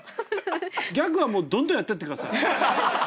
ギャグはもうどんどんやってってください。